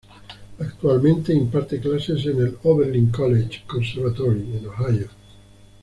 Actualmente imparte clases en el Oberlin College Conservatory, en Ohio.